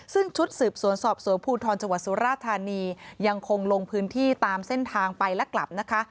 ซึ่งชุดสืบสวนสอบสวนภูทรจังหวัดสุราธานียังคงลงพื้นที่ตามเส้นทางไปและกลับนะคะ